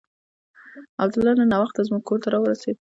عبدالله نن ناوخته زموږ کور ته راورسېد.